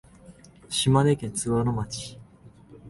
島根県津和野町